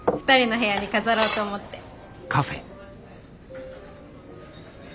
２人の部屋に飾ろうと思って。